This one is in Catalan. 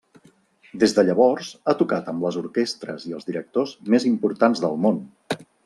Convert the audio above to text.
Des de llavors ha tocat amb les orquestres i els directors més importants del món.